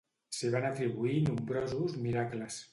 S'hi van atribuir nombrosos miracles.